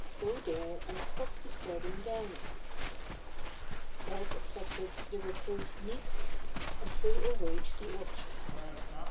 Go there, and stop disturbing Downy.'' Belt accepted the reproof meekly, and flew away to the orchard.